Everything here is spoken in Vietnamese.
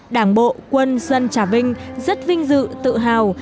đảng bộ quân dân trà vinh rất vinh dự tự hào